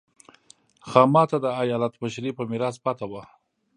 خاما ته د ایالت مشري په میراث پاتې وه.